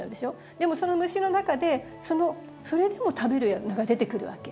でもその虫の中でそれでも食べるのが出てくるわけ。